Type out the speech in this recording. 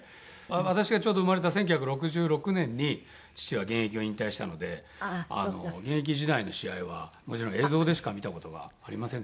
私がちょうど生まれた１９６６年に父は現役を引退したので現役時代の試合はもちろん映像でしか見た事がありませんでしたから。